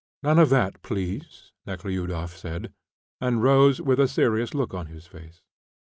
"None of that, please," Nekhludoff said, and rose with a serious look on his face.